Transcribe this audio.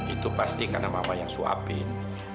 itu pasti karena mama yang suapin